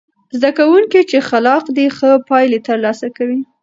زده کوونکي چې خلاق دي، ښه پایلې ترلاسه کوي.